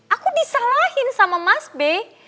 aku disalahin sama mas b